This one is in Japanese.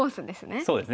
そうですね。